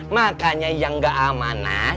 makanya yang gak amanah